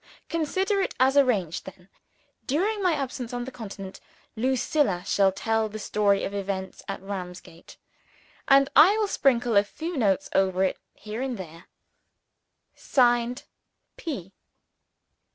Consider it as arranged, then. During my absence on the Continent, Lucilla shall tell the story of events at Ramsgate. (And I will sprinkle a few notes over it, here and there; signed P.)